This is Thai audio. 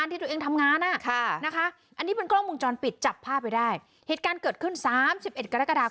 เป็นระบาปพ่อรับจ๊อปปีนแมว